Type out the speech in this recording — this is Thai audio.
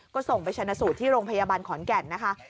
ก็ส่งไปชนะสูตรที่โรงพยาบาลขอนแก่นนะคะ